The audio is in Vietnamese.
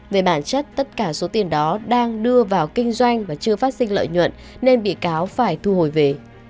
về bản chất tất cả số tiền đó đang đưa vào kinh doanh và chưa phát sinh lợi nhuận nên bị cáo phải thu hồi về